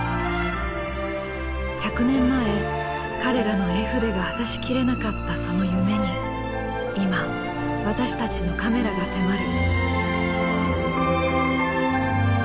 １００年前彼らの絵筆が果たし切れなかったその夢に今私たちのカメラが迫る。